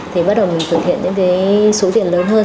thì bắt đầu mình thực hiện những cái số tiền lớn hơn